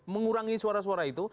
mengurangi suara suara itu